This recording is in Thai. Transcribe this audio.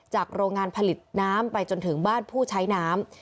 โรงงานผลิตน้ำไปจนถึงบ้านผู้ใช้น้ำ